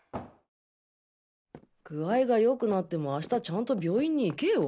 具合が良くなっても明日ちゃんと病院に行けよ！